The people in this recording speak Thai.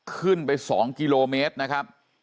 ขึ้นไป๒กิโลเมตรนะครับ